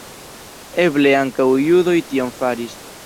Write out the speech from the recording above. Eble ankaŭ judoj tion faris.